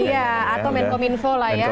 iya atau menkom info lah ya